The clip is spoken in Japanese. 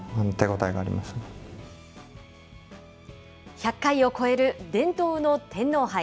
１００回を超える伝統の天皇杯。